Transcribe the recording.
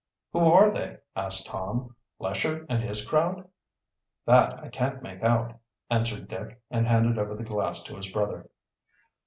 "Who are they?" asked Tom. "Lesher and his crowd?" "That I can't make out," answered Dick, and handed over the glass to his brother.